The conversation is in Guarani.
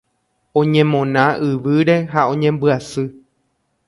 Oñemona yvýre ha oñembyasy.